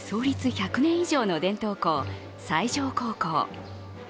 １００年以上の伝統高校、西条高校。